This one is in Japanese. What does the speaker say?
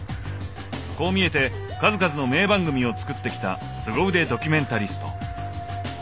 こう見えて数々の名番組を作ってきたすご腕ドキュメンタリスト。